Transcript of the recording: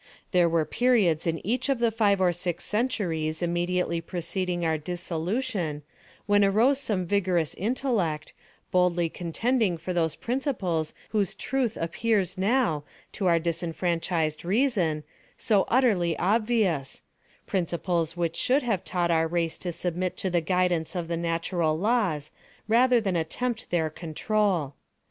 There were periods in each of the five or six centuries immediately preceding our dissolution, when arose some vigorous intellect, boldly contending for those principles whose truth appears now, to our disenfranchised reason, so utterly obvious—principles which should have taught our race to submit to the guidance of the natural laws, rather than attempt their control.